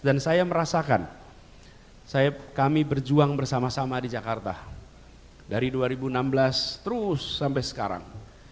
saya merasakan kami berjuang bersama sama di jakarta dari dua ribu enam belas terus sampai sekarang